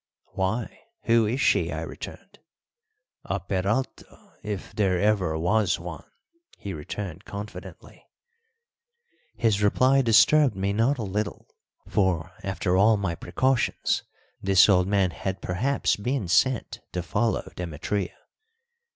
"Why, who is she?" I returned. "A Peralta, if there ever was one," he returned confidently. His reply disturbed me not a little, for, after all my precautions, this old man had perhaps been sent to follow Demetria.